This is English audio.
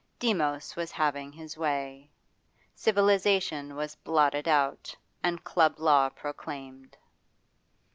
Demos was having his way; civilisation was blotted out, and club law proclaimed.